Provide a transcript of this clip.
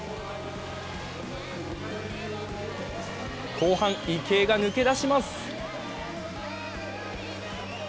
後半、池江が抜け出します。